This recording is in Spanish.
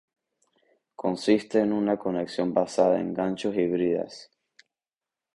Consiste en una conexión basada en ganchos y bridas.